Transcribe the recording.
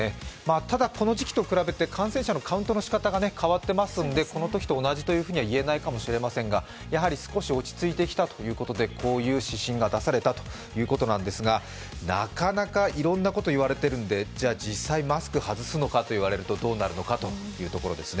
ただ、この時期と比べて感染者のカウントの仕方が変わってますのでこのときと同じというふうには言えないかもしれませんがやはり少し落ち着いてきたということでこういう指針が出されたということなんですがなかなかいろんなこと言われているので実際、マスク外すのかといわれるとどうなるのかというところですね。